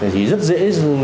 thì rất dễ